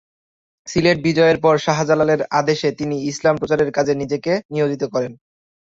সিলেট বিজয়ের পর শাহ জালালের আদেশে তিনি ইসলাম প্রচারের কাজে নিজেকে নিয়োজিত করেন।